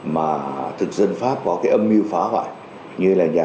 mà thực dân pháp có cái âm mưu phá hoại